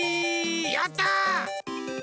やった！